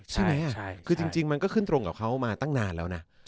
ใช่ไหมคือจริงมันก็ขึ้นตรงกับเขามาตั้งนานแล้วนะ